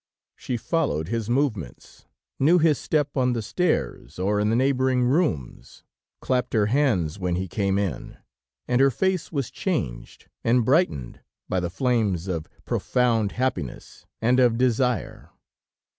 "She followed his movements, knew his step on the stairs or in the neighboring rooms, clapped her hands when he came in, and her face was changed, and brightened by the flames of profound happiness, and of desire.